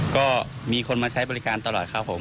ก็มีคนมาใช้บริการตลอดครับผม